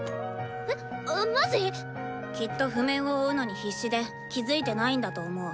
えっマジ⁉きっと譜面を追うのに必死で気付いてないんだと思う。